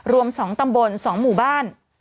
รวม๒ตำบล๒หมู่บ้าน